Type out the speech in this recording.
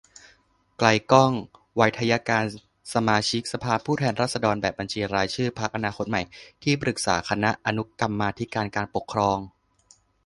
ไกลก้อง ไวทยการ สมาชิกสภาผู้แทนราษฎร แบบบัญชีรายชื่อ พรรคอนาคตใหม่ ที่ปรึกษาคณะอนุกรรมาธิการปกครอง